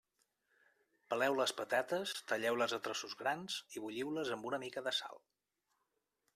Peleu les patates, talleu-les a trossos grans i bulliu-les amb una mica de sal.